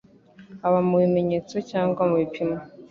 haba mu bimenyetso cyangwa no mubipimo